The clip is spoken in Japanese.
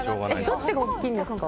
どっちが大きいんですか？